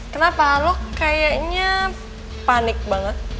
kenapa alo kayaknya panik banget